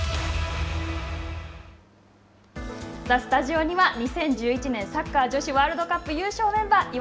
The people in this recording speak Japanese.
スタジオには、２０１１年サッカー女子ワールドカップ優勝メンバー岩